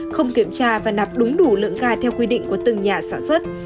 không kiểm tra và nạp đúng đủ lượng ca theo quy định của từng nhà sản xuất